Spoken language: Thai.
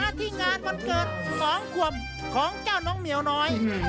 มาที่งานบันเกิดของคว่ำของเจ้าน้องเหมียวน้อย